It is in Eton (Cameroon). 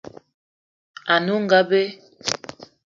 Ane onga be.